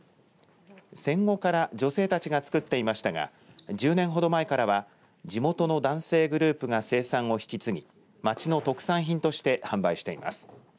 戦後から女性たちが作っていましたが１０年ほど前からは地元の男性グループが生産を引き継ぎ町の特産品として販売しています。